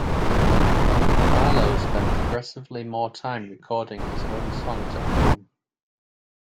Barlow spent progressively more time recording his own songs at home.